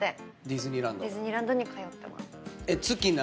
ディズニーランドに通ってます。